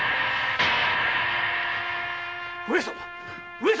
上様！？